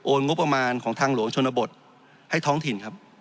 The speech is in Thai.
งบประมาณของทางหลวงชนบทให้ท้องถิ่นครับ